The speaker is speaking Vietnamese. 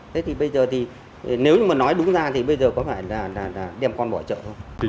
thế thì bây giờ thì nếu mà nói đúng ra thì bây giờ có phải là đem con bỏ chợ không